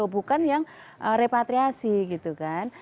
bukan yang repatriasi gitu kan